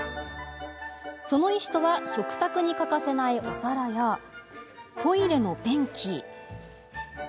その石とは食卓に欠かせないお皿やトイレの便器。